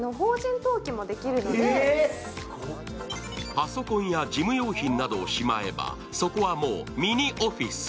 パソコンや事務用品などをしまえば、そこはもうミニオフィス。